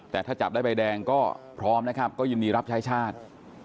แต่ถ้าจับได้ใบแดงก็พร้อมนะครับก็ยินดีรับใช้ชาติ